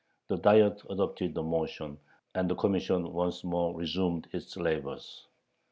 The Diet adopted the motion, and the Commission once more resumed its labors.